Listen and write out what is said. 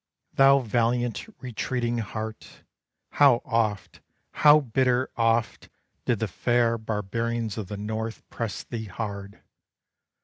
Thou valiant, retreating heart, How oft, how bitter oft Did the fair barbarians of the North press thee hard!